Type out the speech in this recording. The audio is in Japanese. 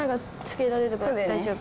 大丈夫。